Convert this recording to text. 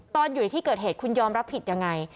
ตอนอยู่ในที่เกิดเหตุคุณยอมรับผิดยังไง